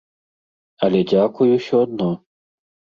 Але дзякуй усё адно.